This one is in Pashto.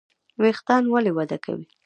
ویښتان ولې وده کوي؟